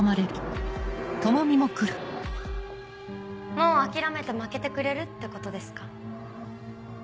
もう諦めて負けてくれるってことですか？